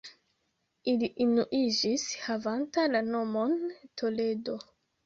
Ili unuiĝis havanta la nomon Toledo.